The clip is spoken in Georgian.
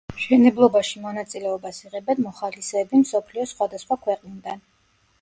მშენებლობაში მონაწილეობას იღებენ მოხალისეები მსოფლიოს სხვადასხვა ქვეყნიდან.